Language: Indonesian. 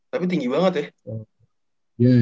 tapi tinggi banget ya